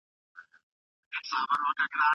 موږ په هندوستان کې څېړنه کوو.